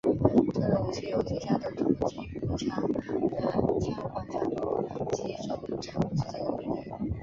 这种武器有最佳的突击步枪的枪管长度及总长度之间的比例。